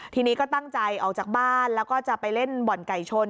ทีนี้ก็ตั้งใจออกจากบ้านแล้วก็จะไปเล่นบ่อนไก่ชน